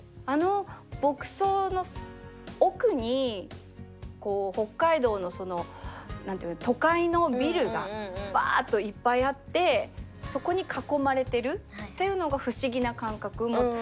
あの牧草の奥にこう北海道のその何て言う都会のビルがバっといっぱいあってそこに囲まれてるっていうのが不思議な感覚。